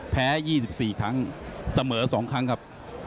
แพ้๒๔ครั้งเสมอ๒ครั้งครับ